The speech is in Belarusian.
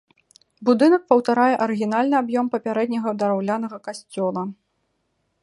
Будынак паўтарае арыгінальны аб'ём папярэдняга драўлянага касцёла.